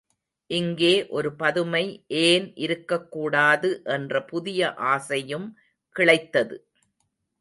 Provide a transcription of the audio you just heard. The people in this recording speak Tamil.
இங்கே ஒரு பதுமை ஏன் இருக்கக் கூடாது என்ற புதிய ஆசையும் கிளைத்தது.